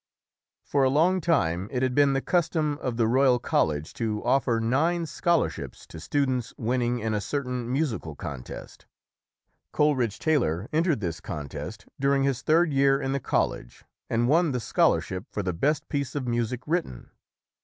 For a long time, it had been the custom of the Royal College to offer nine scholarships to stu dents winning in a certain musical contest. Cole ridge Taylor entered this contest during his third year in the college and won the scholarship for the best piece of music written.